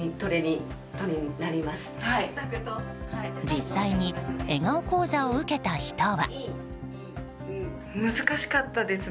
実際に笑顔講座を受けた人は。